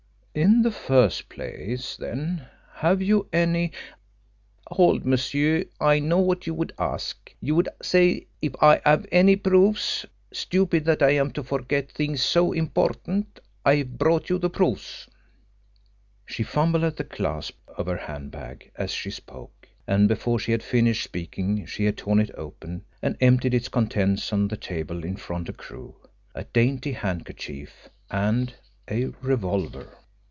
"In the first place, then, have you any " "Hold, monsieur! I know what you would ask! You would say if I have any proofs? Stupid that I am to forget things so important. I have brought you the proofs." She fumbled at the clasp of her hand bag, as she spoke, and before she had finished speaking she had torn it open and emptied its contents on the table in front of Crewe a dainty handkerchief and a revolver.